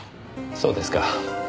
そうですか。